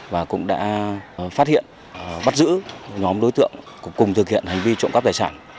và cũng đã phát hiện bắt giữ nhóm đối tượng cùng thực hiện hành vi trộm cắp tài sản